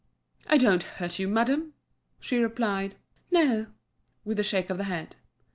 "I don't hurt you, madame?" She replied "No," with a shake of the head.